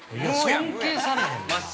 ◆尊敬されへんな。